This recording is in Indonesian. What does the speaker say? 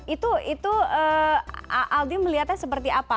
itu aldi melihatnya seperti apa